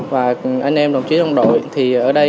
và anh em đồng chí đồng đội